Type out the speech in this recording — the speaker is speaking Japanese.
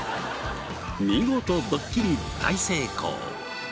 見事ドッキリ大成功！